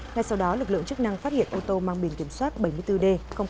ngay sau đó lực lượng chức năng phát hiện ô tô mang biển kiểm soát bảy mươi bốn d một trăm chín mươi